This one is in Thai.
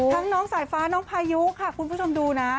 น้องสายฟ้าน้องพายุค่ะคุณผู้ชมดูนะ